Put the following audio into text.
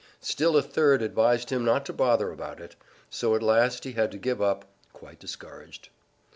Still a third advised him not to bother about it. So at last he had to give up, quite discouraged.